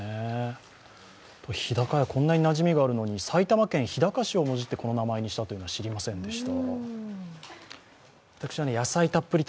日高屋、こんなになじみがあるのに埼玉県日高市をもじってこの名前にしたというのは、知りませんでした。